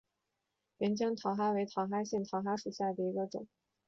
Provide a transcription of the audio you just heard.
蓑江珧蛤为江珧蛤科曲江珧蛤属下的一个种。